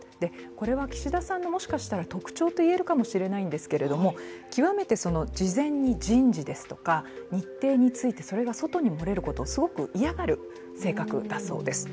これは岸田さんの、もしかしたら特徴といえるのかもしれないんですけども極めて事前に人事ですとか日程についてそれが外に漏れることをすごく嫌がる性格だそうです。